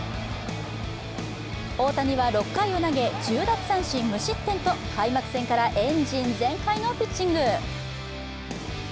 大谷は６回を投げ１０奪三振無失点と開幕戦からエンジン全開のピッチング。